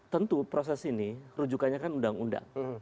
tentu proses ini rujukannya kan undang undang